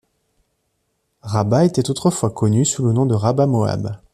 Rabba était autrefois connue sous le nom de Rabbath Moab.